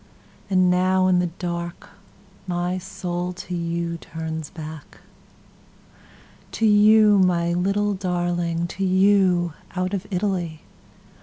And now in the dark my soul to youTurns back. To you, my little darling, To you, out of Italy.